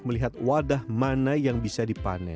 melihat wadah mana yang bisa dipanen